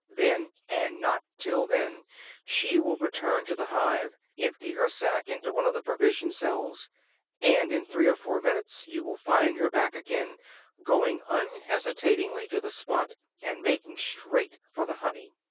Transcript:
Then, and not till then, she will return to the hive, empty her sac into one of the provision cells; and in three or four minutes you will find her back again, going unhesitatingly to the spot, and making straight for the honey.